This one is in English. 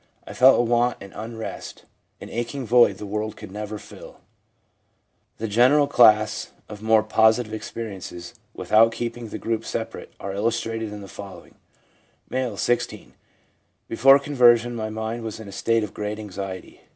'I felt a want, an unrest, an aching void the world could never fill/ The general class of more positive experiences, with out keeping the groups separate, are illustrated in the following :— M., 16. ' Before conversion my mind was in a state of great anxiety.